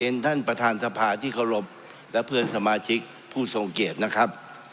ท่านประธานสภาที่เคารพและเพื่อนสมาชิกผู้ทรงเกียรตินะครับ